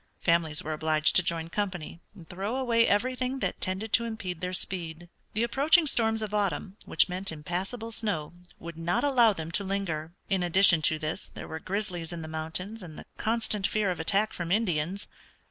Families were obliged to join company and throw away everything that tended to impede their speed. The approaching storms of autumn, which meant impassable snow, would not allow them to linger. In addition to this there were grizzlies in the mountains and the constant fear of attack from Indians.